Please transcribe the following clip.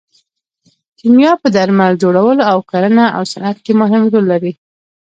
کیمیا په درمل جوړولو او کرنه او صنعت کې مهم رول لري.